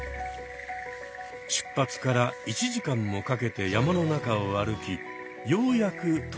出発から１時間もかけて山の中を歩きようやく到着した。